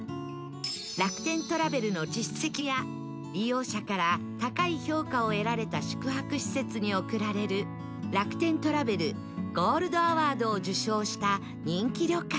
楽天トラベルの実績や利用者から高い評価を得られた宿泊施設に贈られる楽天トラベルゴールドアワードを受賞した人気旅館